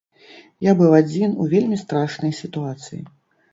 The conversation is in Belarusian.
Я быў адзін у вельмі страшнай сітуацыі.